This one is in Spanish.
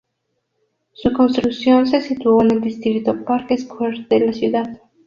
Su construcción se situó en el distrito Park Square de la ciudad.